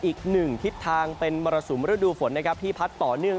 อีก๑ทิศทางเป็นมรสุมระดูฝนที่พัดต่อเนื่อง